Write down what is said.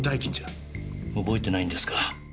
覚えてないんですか？